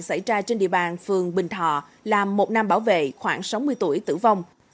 xảy ra trên địa bàn phường bình thọ làm một nam bảo vệ khoảng sáu mươi tuổi tử vong